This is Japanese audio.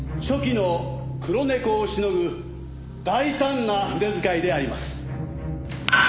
初期の『黒猫』をしのぐ大胆な筆遣いであります。